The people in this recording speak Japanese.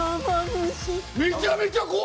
めちゃめちゃ怖い！